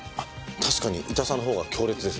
確かに痛さのほうが強烈です。